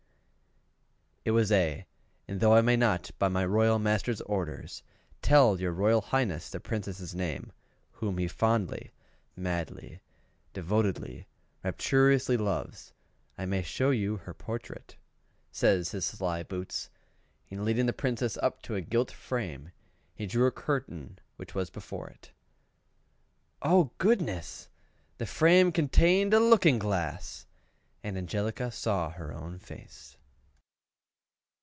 "It was A; and though I may not, by my Royal Master's orders, tell your Royal Highness the Princess' name, whom he fondly, madly, devotedly, rapturously loves, I may show you her portrait," says the sly boots; and, leading the Princess up to a gilt frame, he drew a curtain which was before it. Oh goodness! the frame contained a LOOKING GLASS! and Angelica saw her own face!